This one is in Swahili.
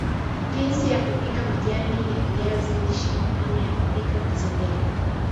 jinsi ya kupika majani ya viazi lishe namna ya kupika matembele